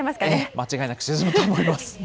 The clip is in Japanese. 間違いなく沈むと思います。